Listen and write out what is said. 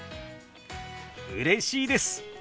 うれしいです！